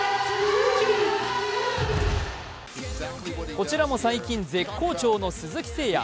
こちらも最近、絶好調の鈴木誠也。